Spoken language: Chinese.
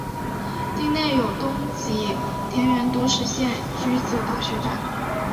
町内有东急田园都市线驹泽大学站。